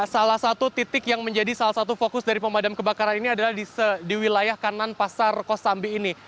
salah satu titik yang menjadi salah satu fokus dari pemadam kebakaran ini adalah di wilayah kanan pasar kosambi ini